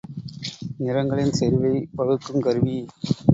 நிறங்களின் செறிவைப் பகுக்குங் கருவி.